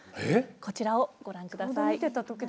こちらをご覧ください。